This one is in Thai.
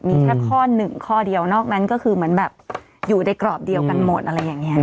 มีแค่ข้อหนึ่งข้อเดียวนอกนั้นก็คือเหมือนแบบอยู่ในกรอบเดียวกันหมดอะไรอย่างนี้